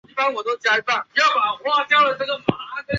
毕业于新疆大学生物学专业。